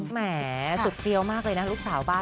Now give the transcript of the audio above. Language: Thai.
แหม่สุดเซียวมากเลยนะลูกสาวบ้านเนี่ย